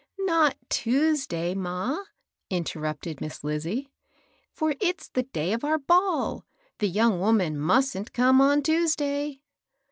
Not Tuesday^ ma I " interrupted Miss Liae ;" for it's the day of our ball. The young woman mustn't come on Tuesday."